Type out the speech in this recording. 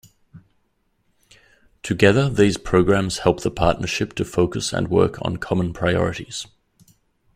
Together these programmes help the partnership to focus and work on common priorities.